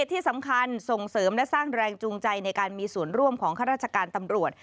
ที่สำคัญส่งเสริมและสร้างแรงจูงใจในการมีส่วนร่วมของข้าราชการตำรวจ